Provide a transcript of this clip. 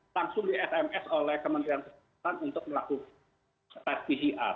langsung di sms oleh kementerian kesehatan untuk melakukan tes pcr